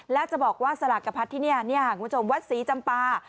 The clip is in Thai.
แล้วจะบอกว่าสลากกระพัดที่นี่คุณผู้ชมวัดศรีจำปา